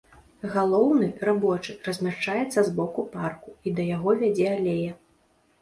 Галоўны, рабочы, размяшчаецца з боку парку, і да яго вядзе алея.